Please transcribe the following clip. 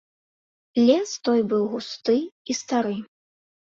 Лес той быў густы і стары.